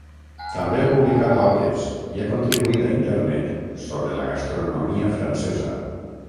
També ha publicat obres i ha contribuït a internet sobre la gastronomia francesa.